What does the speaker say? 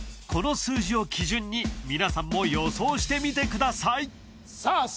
この数字を基準に皆さんも予想してみてくださいさあ